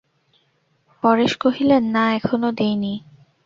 পরেশ কহিলেন, না, এখনো দিই নি।